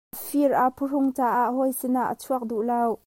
A fir aa phuhrun caah hawi sinah a chuak duh lo.